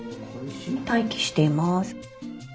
「待機しています」。